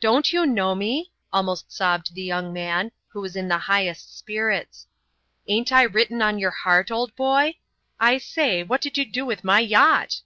"Don't you know me?" almost sobbed the young man, who was in the highest spirits. "Ain't I written on your heart, old boy? I say, what did you do with my yacht?"